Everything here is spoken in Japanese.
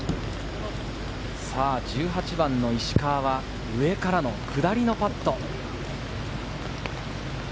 １８番の石川は上からの下りのパット。